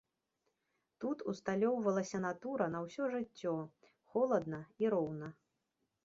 Тут усталёўвалася натура на ўсё жыццё, холадна і роўна.